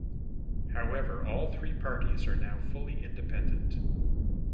However all three parties are now fully independent.